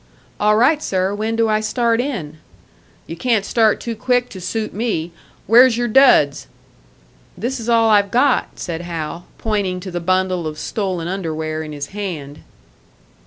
"All right, sir. When do I start in?" "You can't start too quick to suit me. Where's your duds?" "This is all I've got," said Hal, pointing to the bundle of stolen underwear in his hand.